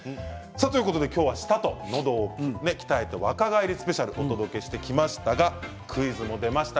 今日は舌とのどを鍛えて若返りスペシャルをお届けしてきましたがクイズも出ました。